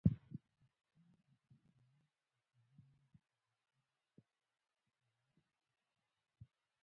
پښتو د پښتنو د ټولنې د پېژندلو او هویت برخه ده.